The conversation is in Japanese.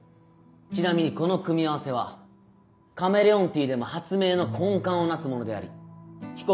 ちなみにこの組み合わせはカメレオンティーでも発明の根幹を成すものであり被告